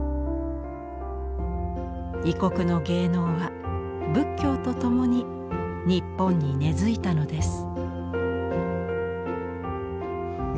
異国の芸能は仏教とともに日本に根づいたのです。